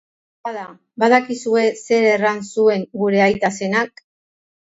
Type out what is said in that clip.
Bada, badakizue zer erran zuen gure aita zenak?